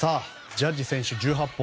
ジャッジ選手、１８本。